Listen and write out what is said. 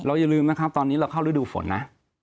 อย่าลืมนะครับตอนนี้เราเข้าฤดูฝนนะ